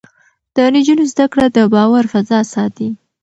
د نجونو زده کړه د باور فضا ساتي.